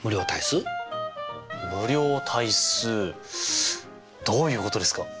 無量大数どういうことですか？